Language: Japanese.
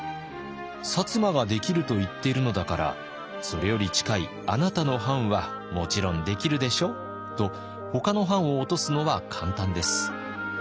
「摩ができると言っているのだからそれより近いあなたの藩はもちろんできるでしょ？」とほかの藩を落とすのは簡単です。